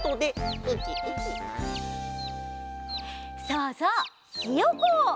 そうそうひよこ！